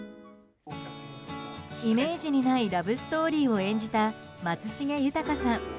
イメージにないラブストーリーを演じた松重豊さん。